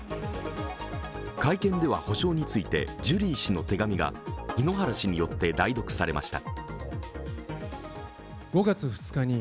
会見では補償についてジュリー氏の手紙が井ノ原氏によって代読されました。